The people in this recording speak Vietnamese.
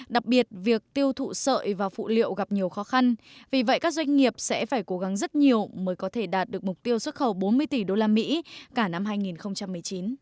đặc biệt việc tiêu thụ sợi và phụ liệu gặp nhiều khó khăn vì vậy các doanh nghiệp sẽ phải cố gắng rất nhiều mới có thể đạt được mục tiêu xuất khẩu bốn mươi tỷ usd cả năm hai nghìn một mươi chín